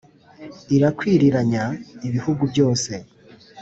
irakwiriranya ibihugu byose